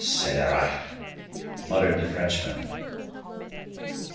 "Scelerat," muttered the Frenchman.